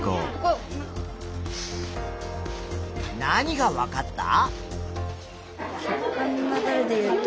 何がわかった？